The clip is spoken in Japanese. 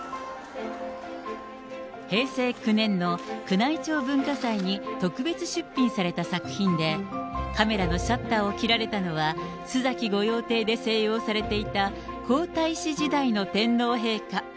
平成９年の宮内庁文化祭に特別出品された写真で、カメラのシャッターを切られたのは、須崎御用邸で静養されていた皇太子時代の天皇陛下。